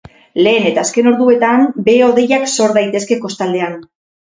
Lehen eta azken orduetan behe-hodeiak sor daitezke kostaldean.